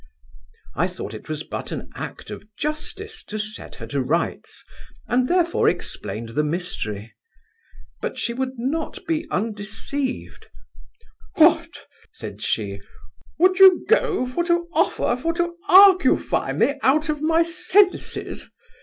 I thought it was but an act of justice to set her to rights; and therefore explained the mystery. But she would not be undeceived, 'What (said she) would you go for to offer for to arguefy me out of my senses?